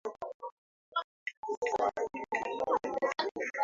kwa maraTabia ya kutafuta dawa za kulevya husababishwa na